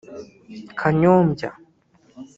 Kanyombya